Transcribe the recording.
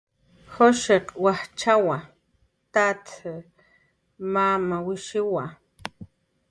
Jushiq wachchawa, tat mamawishiwa